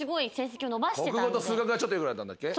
国語と数学がちょっとよくなったんだっけ。